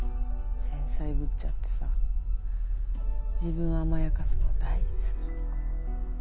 繊細ぶっちゃってさ自分を甘やかすのが大好き。